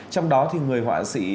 trong đó thì người họa sĩ